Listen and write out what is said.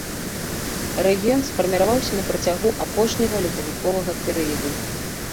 Рэгіён сфарміраваўся на працягу апошняга ледавіковага перыяду.